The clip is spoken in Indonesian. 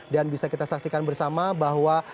dan bisa kita saksikan bersama bahwa